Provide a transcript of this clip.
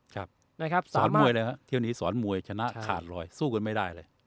ครับนะครับสอนมวยเลยครับเที่ยวนี้สอนมวยชนะขาดลอยสู้กันไม่ได้เลย